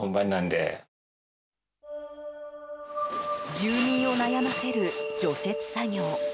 住民を悩ませる除雪作業。